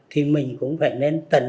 thì mình cũng phải nên tận hợp